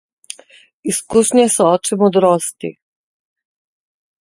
Izkušnje so oče modrosti.